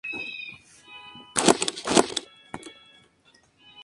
Adelanta la fecha de convocatoria de los Estados Generales.